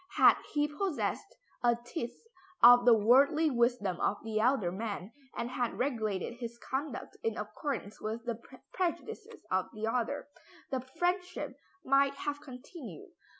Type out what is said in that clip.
Had he possessed a tithe of the worldly wisdom of the elder man, and had regulated his conduct in accordance with the prejudices of the other, the friendship might have continued.